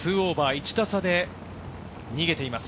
１打差で逃げています。